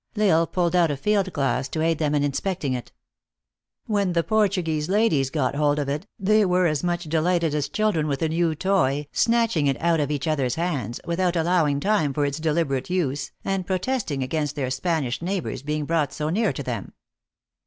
L Isle pulled out a field glass to aid them in inspecting it. When 272 THE ACTRESS IN HIGH LIFE. the Portuguese ladies got hold of it, they were as much delighted as children with a new toy, snatching it out of each other s hands, without allowing time for its deliberate use, and protesting against their Spanish neighbors being brought so near to them.